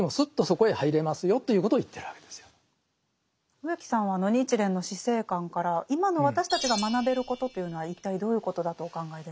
植木さんは日蓮の死生観から今の私たちが学べることというのは一体どういうことだとお考えですか？